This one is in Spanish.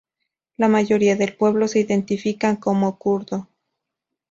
La mayoría del pueblo se identifica como kurdo.